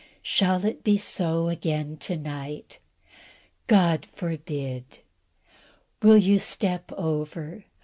Shall it be so again to night? God forbid! Will yon step over?